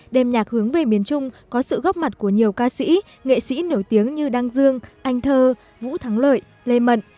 đêm nhạc hướng về miền trung có sự góp mặt của nhiều ca sĩ nghệ sĩ nổi tiếng như đăng dương anh thơ vũ thắng lợi lê mận